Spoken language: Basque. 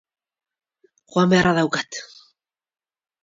Joan beharra daukat.